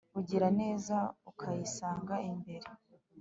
ugira neza ukayisanga imbere